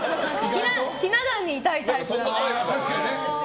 ひな壇にいたいタイプなので。